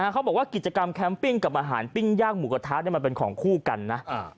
เขาบอกว่ากิจกรรมแคมปิ้งกับอาหารปิ้งย่างหมูกระทะมันเป็นของคู่กันนะ